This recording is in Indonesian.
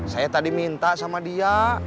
saya tadi minta sama dia